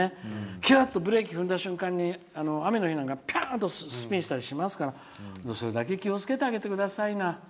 キューッとブレーキ踏んでも雨の日なんか、ぴゃーっとスピンしたりしますからそれだけ気をつけてあげてくださいな。